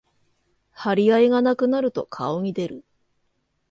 張り合いがなくなると顔に出る